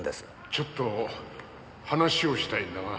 ちょっと話をしたいんだが。